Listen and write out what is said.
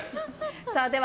では